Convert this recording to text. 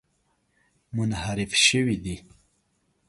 منحرف شوي دي.